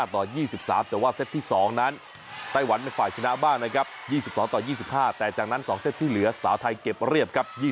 ต่อ๒๓แต่ว่าเซตที่๒นั้นไต้หวันเป็นฝ่ายชนะบ้างนะครับ๒๒ต่อ๒๕แต่จากนั้น๒เซตที่เหลือสาวไทยเก็บเรียบครับ